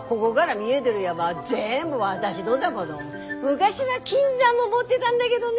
昔は金山も持ってだんだげどね。